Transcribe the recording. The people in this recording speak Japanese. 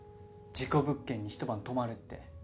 事故物件に１晩泊まるって。